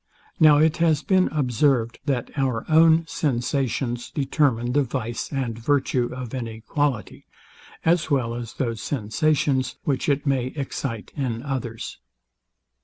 Now it has been observed, that our own sensations determine the vice and virtue of any quality, as well as those sensations, which it may excite in others.